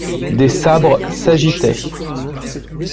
Des sabres s'agitaient.